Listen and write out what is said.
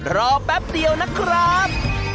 แป๊บเดียวนะครับ